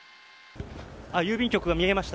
郵便局が見えました。